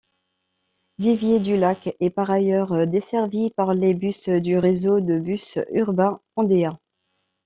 Viviers-du-Lac est par ailleurs desservie par les bus du réseau de bus urbains Ondéa.